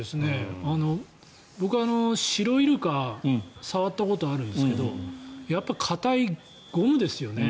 僕はシロイルカ触ったことがあるんですけどやっぱり硬いゴムですよね。